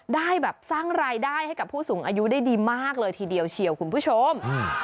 ได้แบบสร้างรายได้ให้กับผู้สูงอายุได้ดีมากเลยทีเดียวเชียวคุณผู้ชม